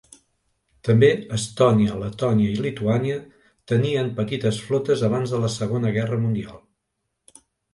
També Estònia, Letònia i Lituània tenien petites flotes abans de la Segona Guerra Mundial.